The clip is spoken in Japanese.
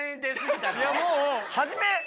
もう初め。